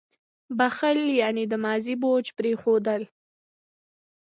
• بښل یعنې د ماضي بوج پرېښودل.